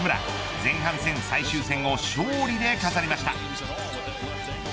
前半戦最終戦を勝利で飾りました。